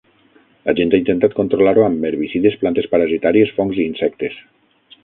La gent ha intentat controlar-ho amb herbicides, plantes parasitàries, fongs i insectes.